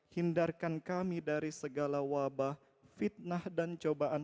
hindarkan kami dari segala wabah fitnah dan cobaan